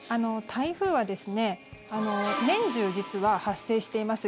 台風は年中実は発生しています。